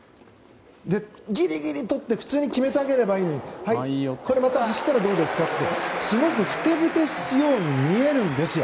ギリギリとって普通に決めてあげればいいのにはい、これまた走ったらどうですか？ってすごくふてぶてしそうに見えるんですよ。